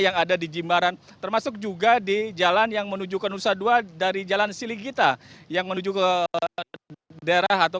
yang ada di jimbaran termasuk juga di jalan yang menuju ke nusa dua dari jalan siligita yang menuju ke daerah atau